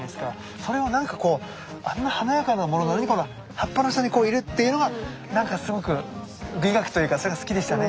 それをなんかこうあんな華やかなものなのに葉っぱの下にこういるっていうのがなんかすごく美学というかそれが好きでしたね。